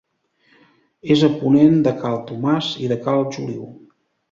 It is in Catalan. És a ponent de Cal Tomàs i de Cal Joliu.